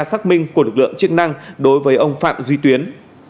xác minh của lực lượng chức năng đối với ông phạm duy tuyến